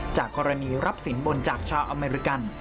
จากกรณีรับสินบนจากชาวอเมริกัน